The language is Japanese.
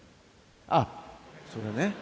あっそれね。